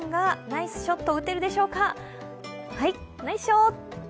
ナイスショット！